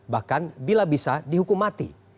bahkan bila bisa dihukum mati